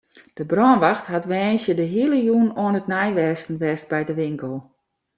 De brânwacht hat woansdei de hiele jûn oan it neidwêsten west by de winkel.